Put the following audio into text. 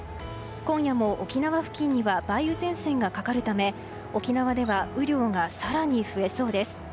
今夜も沖縄付近には梅雨前線がかかるため沖縄では雨量が更に増えそうです。